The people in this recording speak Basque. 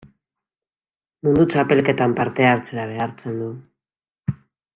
Mundu Txapelketan parte hartzera behartzen du.